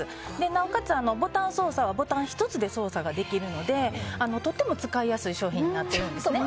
なおかつ、ボタン操作はボタン１つで操作ができるのでとっても使いやすい商品になってるんですね。